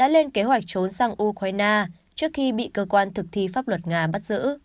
lên kế hoạch trốn sang ukraine trước khi bị cơ quan thực thi pháp luật nga bắt giữ